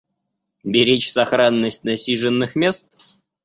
Беречь сохранность насиженных мест?